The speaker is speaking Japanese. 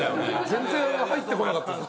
全然入ってこなかった。